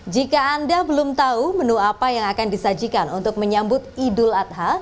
jika anda belum tahu menu apa yang akan disajikan untuk menyambut idul adha